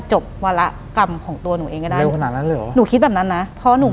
หลังจากนั้นเราไม่ได้คุยกันนะคะเดินเข้าบ้านอืม